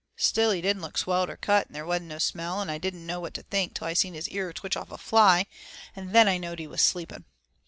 Still, he didn't look swelled or cut, and there wa'n't no smell, an' I didn't know what to think till I seen his ear twitch off a fly and then I knowed he was sleeping.